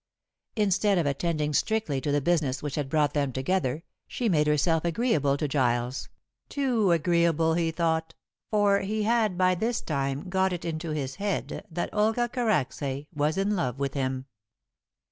Instead of attending strictly to the business which had brought them together, she made herself agreeable to Giles too agreeable he thought, for he had by this time got it into his head that Olga Karacsay was in love with him.